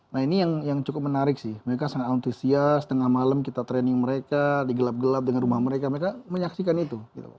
nah ini yang cukup menarik sih mereka sangat antusias tengah malam kita training mereka digelap gelap dengan rumah mereka mereka menyaksikan itu